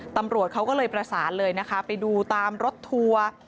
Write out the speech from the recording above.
ตำรวจเขาก็เลยประสานเลยนะคะไปดูตามรถทัวร์